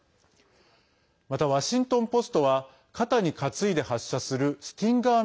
また、ワシントン・ポストは肩に担いで発射する「スティンガー」